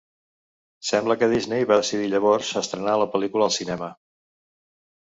Sembla que Disney va decidir llavors estrenar la pel·lícula al cinema.